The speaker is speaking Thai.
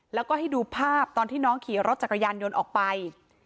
แล้วก็ให้ดูภาพตอนที่น้องขี่รถจักรยานยนต์ออกไป